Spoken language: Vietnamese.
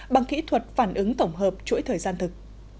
bằng kỹ thuật phản ứng tổng hợp chuỗi thời gian thực